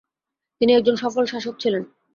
তিনি একজন সফল শাসক ছিলেন।